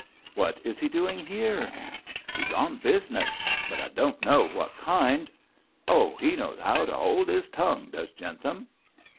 'What is he doing here?' 'He's on business; but I don't know what kind. Oh, he knows 'ow to 'old 'is tongue, does Jentham.'